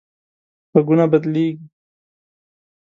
غږونه بدلېږي